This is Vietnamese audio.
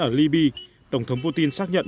ở libya tổng thống putin xác nhận